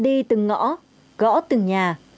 đi từng ngõ gõ từng nhà